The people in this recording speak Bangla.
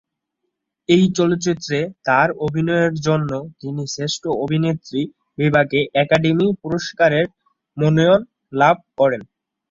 এই চলচ্চিত্রে তার অভিনয়ের জন্য তিনি শ্রেষ্ঠ অভিনেত্রী বিভাগে একাডেমি পুরস্কারের মনোনয়ন লাভ করেন।